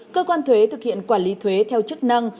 cơ quan thuế thực hiện quản lý thuế theo chức năng